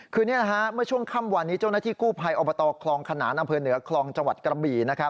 คือเมื่อช่วงค่ำวันนี้เจ้าหน้าที่กู้ภัยอบตคลองขนานอำเภอเหนือคลองจังหวัดกระบี่